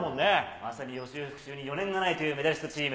まさに予習復習に余念がないというメダリストチーム。